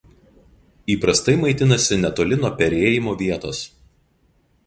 Įprastai maitinasi netoli nuo perėjimo vietos.